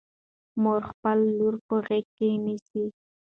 مور خپله لور په غېږ کې نیسي.